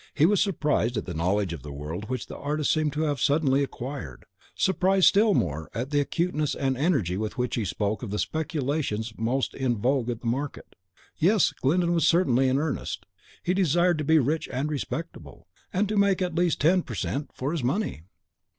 He was surprised at the knowledge of the world which the artist seemed to have suddenly acquired, surprised still more at the acuteness and energy with which he spoke of the speculations most in vogue at the market. Yes; Glyndon was certainly in earnest: he desired to be rich and respectable, and to make at least ten per cent for his money!